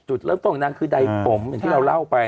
ประวัติของนางคือด๋าผมเหมือนที่เราเล่าไป